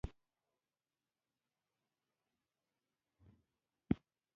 ځغاسته د ذهن نرمي راولي